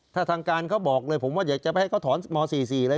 ถ้าทางการเขาบอกเลยผมว่าอยากจะไปให้เขาถอนม๔๔อะไร